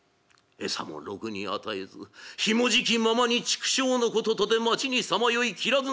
餌もろくに与えずひもじきままに畜生のこととて町にさまよいきらず